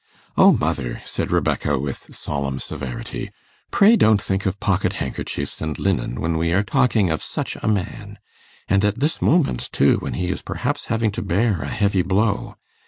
'O mother!' said Rebecca, with solemn severity, 'pray don't think of pocket handkerchiefs and linen, when we are talking of such a man. And at this moment, too, when he is perhaps having to bear a heavy blow.